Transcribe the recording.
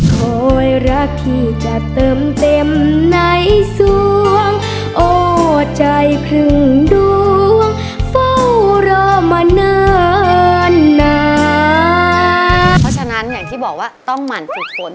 เพราะฉะนั้นอย่างที่บอกว่าต้องหมั่นสุขคน